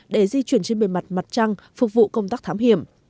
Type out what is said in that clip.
để di chuyển trên bề mặt mặt trăng phục vụ công tác thám hiểm